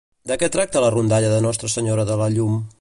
De què tracta la rondalla de Nostra Senyora de la Llum?